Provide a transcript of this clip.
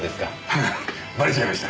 ハハッバレちゃいました？